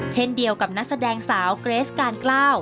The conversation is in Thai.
เช่นเดียวกับนักแสดงสาวเกรสการกล้า